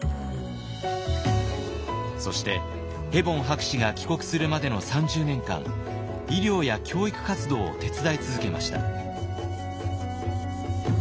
そしてヘボン博士が帰国するまでの３０年間医療や教育活動を手伝い続けました。